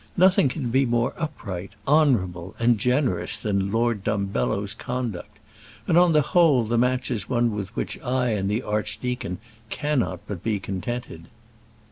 Nothing can be more upright, honourable, and generous, than Lord Dumbello's conduct; and, on the whole, the match is one with which I and the archdeacon cannot but be contented."